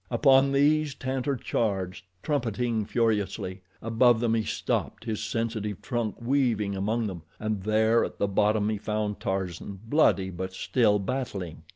Upon these Tantor charged, trumpeting furiously. Above them he stopped, his sensitive trunk weaving among them, and there, at the bottom, he found Tarzan, bloody, but still battling.